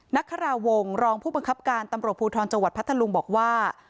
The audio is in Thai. นักคาราวงศ์รองผู้บังคับการตำรวจภูทรจังหวัดพัทธลุงบอกว่า